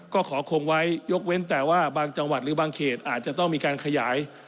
ก็ขอคงไว้ยกเว้นแต่ว่าบางจังหวัดหรือบางเขตอาจจะต้องมีการขยาย